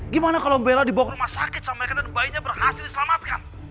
gimana kalau bella dibawa ke rumah sakit sama mereka dan bayinya berhasil diselamatkan